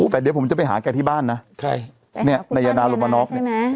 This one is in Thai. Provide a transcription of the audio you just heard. แต่เดี๋ยวผมจะไปหาแกที่บ้านนะนายนาโรมาน็อก